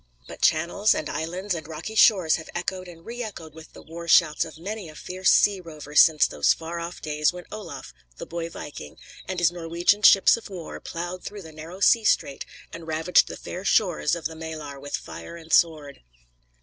But channels, and islands, and rocky shores have echoed and re echoed with the war shouts of many a fierce sea rover since those far off days when Olaf, the boy viking, and his Norwegian ships of war ploughed through the narrow sea strait and ravaged the fair shores of the Maelar with fire and sword.